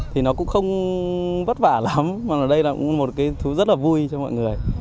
thì nó cũng không vất vả lắm mà ở đây là một thứ rất là vui cho mọi người